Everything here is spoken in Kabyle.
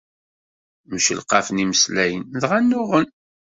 Mcelqafen imeslayen, dɣa nnuɣen.